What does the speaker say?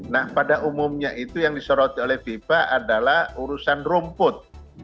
nah pada umumnya itu yang disoroti oleh fifa adalah urusan rumput